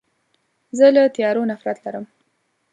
زه له تیارو نفرت لرم.